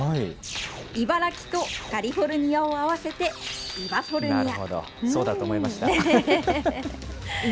茨城とカリフォルニアを合わせて、イバフォルニア。